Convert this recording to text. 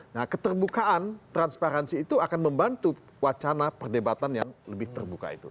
nah keterbukaan transparansi itu akan membantu wacana perdebatan yang lebih terbuka itu